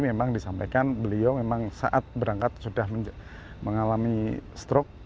memang disampaikan beliau memang saat berangkat sudah mengalami strok